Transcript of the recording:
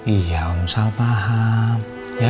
iya om salah paham